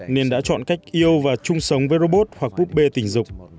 nên đã chọn cách yêu và chung sống với robot hoặc búp bê tình dục